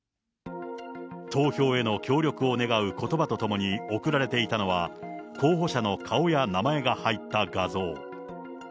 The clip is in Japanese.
投票への協力を願うことばとともに送られていたのは、候補者の顔や名前が入った画像。